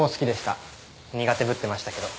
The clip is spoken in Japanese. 苦手ぶってましたけど。